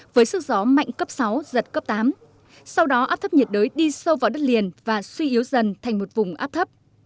với sức gió mạnh cấp sáu giật cấp tám sau đó áp thấp nhiệt đới đi sâu vào đất liền và suy yếu dần thành một vùng áp thấp